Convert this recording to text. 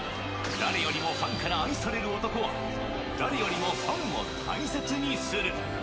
誰よりもファンから愛される男は、誰よりもファンを大切にする。